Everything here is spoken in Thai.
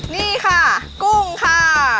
นี่ค่ะกุ้งค่ะ